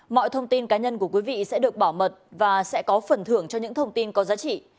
mọi thông tin cá nhân của quý vị sẽ được bảo mật và sẽ có phần thưởng cho những thông tin có giá trị